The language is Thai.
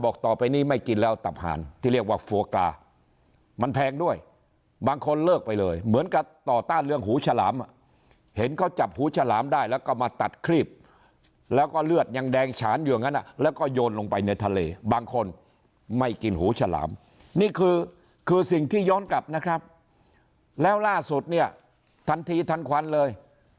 ต่อไปนี้ไม่กินแล้วตับหานที่เรียกว่าฟัวกามันแพงด้วยบางคนเลิกไปเลยเหมือนกับต่อต้านเรื่องหูฉลามเห็นเขาจับหูฉลามได้แล้วก็มาตัดครีบแล้วก็เลือดยังแดงฉานอยู่อย่างนั้นแล้วก็โยนลงไปในทะเลบางคนไม่กินหูฉลามนี่คือคือสิ่งที่ย้อนกลับนะครับแล้วล่าสุดเนี่ยทันทีทันควันเลย